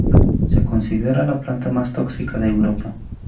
Se considera la planta más tóxica de Europa.